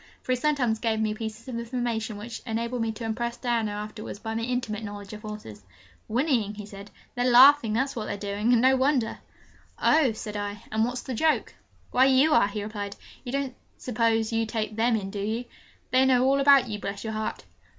For he sometimes gave me pieces of information which enabled me to impress Diana afterwards by my intimate knowledge of horses. 'Whinnying?' he said. 'They're laughing, that's what they're doing and no wonder!' 'Oh!' said I, 'and what's the joke?' 'Why, you are!' he replied. 'You don't suppose you take them in, do you? They know all about you, bless your heart!'